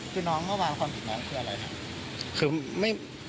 คือน้องเมื่อวานความผิดน้องคืออะไรครับ